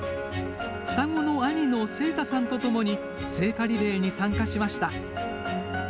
双子の兄の晴太さんと共に聖火リレーに参加しました。